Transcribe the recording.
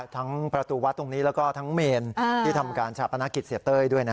ทั้งประตูวัดตรงนี้แล้วก็ทั้งเมนที่ทำการชาปนกิจเสียเต้ยด้วยนะ